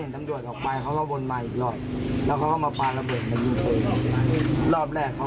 ตำรวจมาครับตอนแรกเขาเข้ามาอยู่ตรงนี้มีเพื่อน